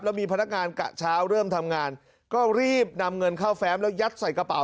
แล้วมีพนักงานกะเช้าเริ่มทำงานก็รีบนำเงินเข้าแฟ้มแล้วยัดใส่กระเป๋า